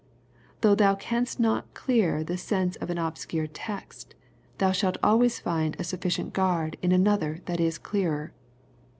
Though thou canst not clear the sense of an obscure text^ thou shalt always find a sufficient guard in another that is clearer."